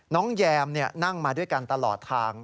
แยมนั่งมาด้วยกันตลอดทาง